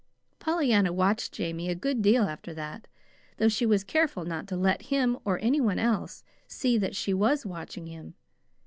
Pollyanna watched Jamie a good deal after that, though she was careful not to let him, or any one else, see that she was watching him.